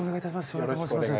照英と申します。